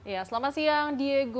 ya selamat siang diego